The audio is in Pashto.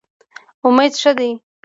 امید ښه دی.